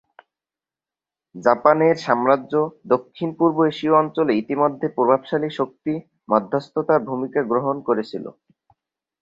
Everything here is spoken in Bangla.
জাপানের সাম্রাজ্য, দক্ষিণ-পূর্ব এশীয় অঞ্চলে ইতিমধ্যে প্রভাবশালী শক্তি, মধ্যস্থতার ভূমিকা গ্রহণ করেছিল।